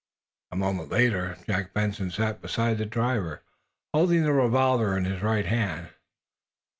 A moment later Jack Benson sat beside the driver, holding the revolver in his right hand.